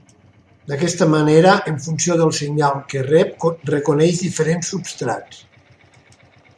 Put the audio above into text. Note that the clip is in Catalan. D'aquesta manera, en funció del senyal que rep reconeix diferents substrats.